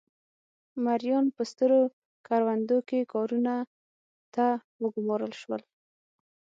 مریان په سترو کروندو کې کارونو ته وګومارل شول.